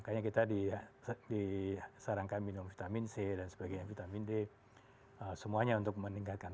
makanya kita disarankan minum vitamin c dan sebagainya vitamin d semuanya untuk meningkatkan